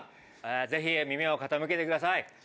ぜひ耳を傾けてください。